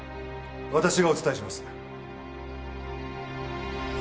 私がお伝えします。